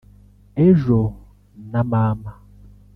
ejo na mama